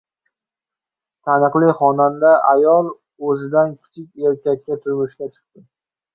Taniqli xonanda ayol o‘zidan kichik erkakka turmushga chiqdi